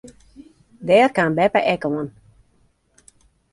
Dêr kaam beppe ek oan.